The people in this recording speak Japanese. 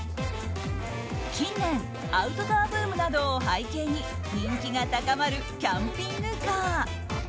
近年アウトドアブームなどを背景に人気が高まるキャンピングカー。